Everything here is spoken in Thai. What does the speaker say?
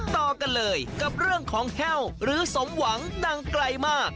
ต่อกันเลยกับเรื่องของแห้วหรือสมหวังดังไกลมาก